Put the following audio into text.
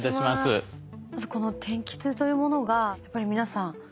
まずこの天気痛というものがやっぱり皆さん